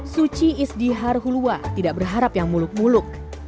suci isdihar hulua tidak berharap yang muluk muluk